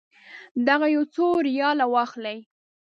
دغه یو څو ریاله واخلئ.